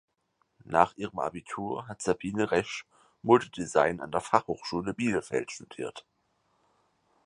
Nach ihrem Abitur hat Sabine Resch Modedesign an der Fachhochschule Bielefeld studiert.